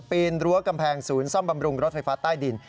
นรั้วกำแพงศูนย์ซ่อมบำรุงรถไฟฟ้าใต้ดิน